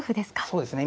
そうですね。